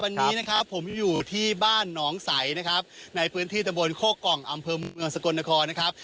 วันนี้นะครับผมอยู่ที่บ้านหนองใสนะครับในพื้นที่ตะบนโคกล่องอำเภอเมืองสกลนครนะครับ